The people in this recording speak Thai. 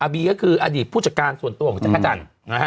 บีก็คืออดีตผู้จัดการส่วนตัวของจักรจันทร์